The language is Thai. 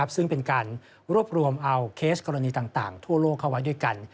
ซึ่งเป็นการรวบรวมเอาเคสกรณีต่างทั่วโลกเข้าไว้ด้วยกัน